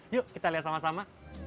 yuk kita lihat sama sama